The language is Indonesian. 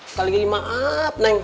sekali lagi maaf neng